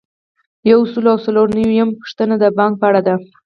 یو سل او څلور نوي یمه پوښتنه د بانک په اړه ده.